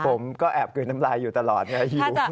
ผมก็แอบกลืนน้ำลายอยู่ตลอดไงหิว